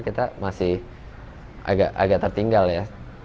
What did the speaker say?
kita masih agak tertinggal ya